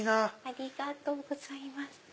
ありがとうございます。